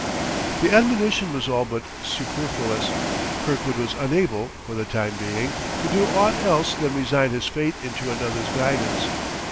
The admonition was all but superfluous; Kirkwood was unable, for the time being, to do aught else than resign his fate into another's guidance.